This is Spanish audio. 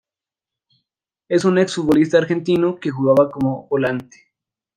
Es un ex futbolista argentino que jugaba como volante.